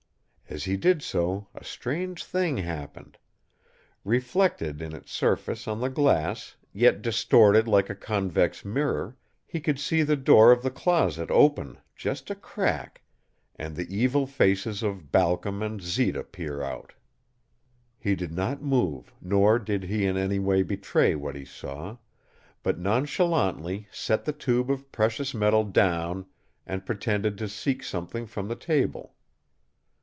As he did so a strange thing happened. Reflected in its surface on the glass, yet distorted like a convex mirror, he could see the door of the closet open just a crack and the evil faces of Balcom and Zita peer out. He did not move nor did he in any way betray what he saw, but nonchalantly set the tube of precious metal down and pretended to seek something from the table.